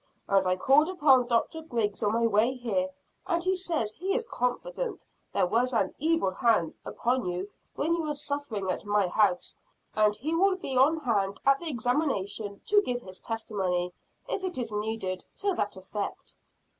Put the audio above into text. "And I called upon Doctor Griggs on my way here, and he says he is confident there was an 'evil hand' upon you when you were suffering at my house; and he will be on hand at the examination to give his testimony, if it is needed, to that effect."